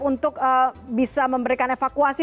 untuk bisa memberikan evakuasi